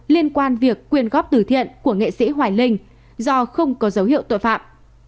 liên quan việc quyền góp tử thiện của nghệ sĩ hoài linh do không có dấu hiệu tội phạm